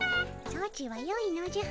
ソチはよいのじゃ。